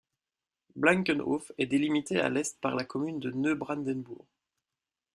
Blankenhof est délimité à l'est par la commune de Neubrandenburg.